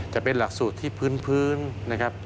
จะเป็นหลักสูตรที่พื้นนะครับ